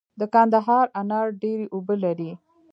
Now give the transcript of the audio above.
د کندهار انار ډیرې اوبه لري.